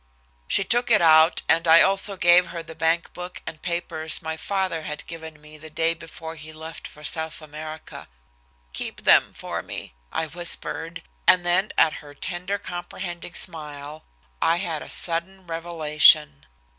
She took it out, and I also gave her the bank book and papers my father had given me the day before he left for South America. "Keep them for me," I whispered, and then at her tender comprehending smile, I had a sudden revelation.